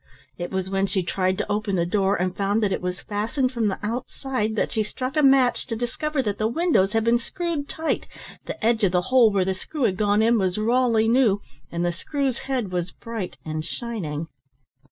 It was when she tried to open the door, and found that it was fastened from the outside, that she struck a match to discover that the windows had been screwed tight the edge of the hole where the screw had gone in was rawly new, and the screw's head was bright and shining.